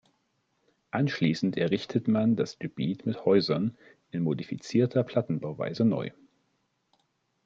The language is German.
Anschließend errichtet man das Gebiet mit Häusern in modifizierter Plattenbauweise neu.